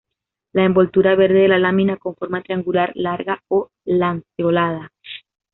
La envoltura verde de la lámina con forma triangular larga o lanceolada.